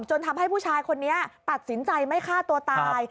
จนทำให้ผู้ชายคนนี้ตัดสินใจไม่ฆ่าตัวตาย